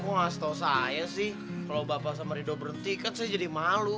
kok ngasih tau saya sih kalau bapak sama ridho bertiket saya jadi malu